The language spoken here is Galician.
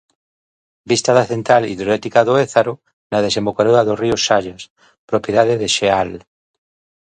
Vista da central hidroeléctrica do Ézaro, na desembocadura do río Xallas, propiedade de Xeal.